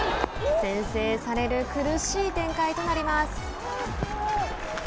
先制される苦しい展開となります。